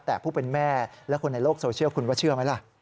แต่ผู้เป็นแม่และคนในโลกโซเชียลคุณว่าเชื่อไหมล่ะ